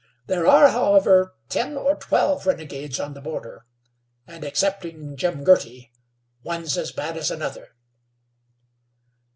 There are, however, ten or twelve renegades on the border, and, excepting Jim Girty, one's as bad as another."